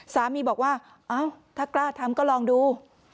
สามีบอกว่าเอ้าถ้ากล้าทำก็ลองดู